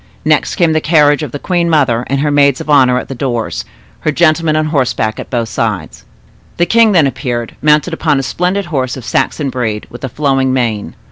Next came the carriage of the queen mother, with her maids of honor at the doors, her gentlemen on horseback at both sides. The king then appeared, mounted upon a splendid horse of Saxon breed, with a flowing mane.